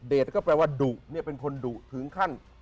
เดทก็แปลว่าดุเป็นคนดุถึงขั้น